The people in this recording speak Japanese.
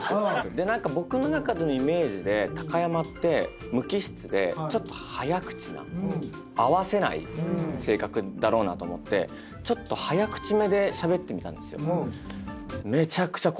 で何か僕の中でのイメージで貴山って無機質でちょっと早口な合わせない性格だろうなと思ってちょっと早口めでしゃべってみたんですよ。